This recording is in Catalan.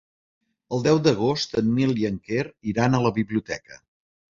El deu d'agost en Nil i en Quer iran a la biblioteca.